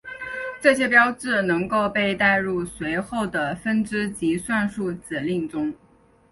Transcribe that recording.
这些标志能够被带入随后的分支及算术指令中。